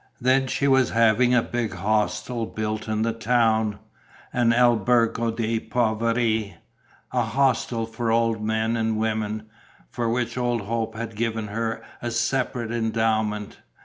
Then she was having a big hostel built in the town, an albergo dei poveri, a hostel for old men and women, for which old Hope had given her a separate endowment.